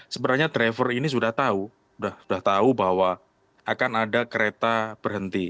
sebenarnya driver ini sudah tahu sudah tahu bahwa akan ada kereta berhenti